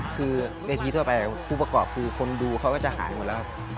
คือเวทีทั่วไปผู้ประกอบคือคนดูเขาก็จะหายหมดแล้วครับ